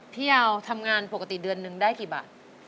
พี่ยาวทำงานปกติเดือนนึงได้กี่บาท